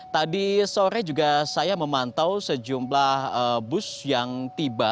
tadi sore juga saya memantau sejumlah bus yang tiba